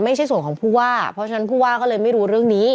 ไม่ใช่ส่วนของผู้ว่าเพราะฉะนั้นผู้ว่าก็เลยไม่รู้เรื่องนี้